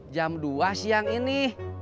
jam dua siang ini